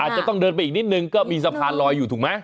จะต้องเดินไปอีกนิดนึงก็มีสะพานลอยอยู่ถูกไหม